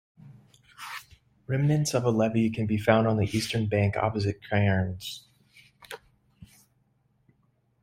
Remnants of a levee can be found on the eastern bank opposite Cairns.